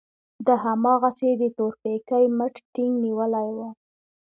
ده هماغسې د تورپيکۍ مټ ټينګ نيولی و.